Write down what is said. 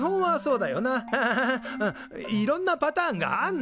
いろんなパターンがあんのよ！